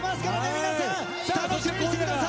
皆さん、楽しみにしてください！